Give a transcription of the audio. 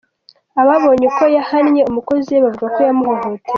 Ababonye uko yahannye umukozi we bavuga ko yamuhohoteye.